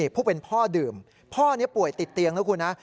ผู้เป็นพ่อดื่มพ่อนี้ป่วยติดเตียงนะคุณนะ